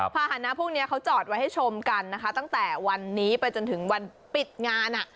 ภาษณะพวกนี้เขาจอดไว้ให้ชมกันนะคะตั้งแต่วันนี้ไปจนถึงวันปิดงาน